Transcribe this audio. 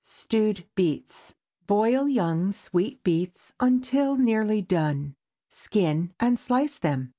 STEWED BEETS. Boil young, sweet beets, until nearly done; skin and slice them.